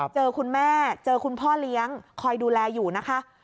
เจอคุณแม่เจอคุณพ่อเลี้ยงคอยดูแลอยู่นะคะ